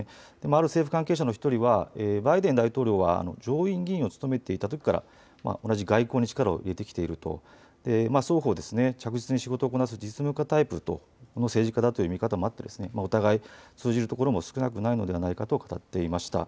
ある政府関係者の１人はバイデン大統領は上院議員を務めていたときから同じ外交に力を入れてきていると、双方、着実に仕事をこなす実務家タイプの政治家だという見方もありお互い通じるところも少なくないのではないかと語っていました。